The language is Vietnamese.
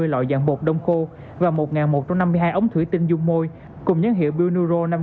một một trăm hai mươi loại dạng bột đông khô và một một trăm năm mươi hai ống thủy tinh dung môi cùng nhấn hiệu biuroneuro năm nghìn